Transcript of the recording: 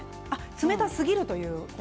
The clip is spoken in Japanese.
冷たすぎるということですか？